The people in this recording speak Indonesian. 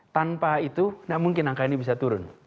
tanpa itu tidak mungkin angka ini bisa turun